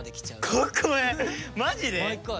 マジで？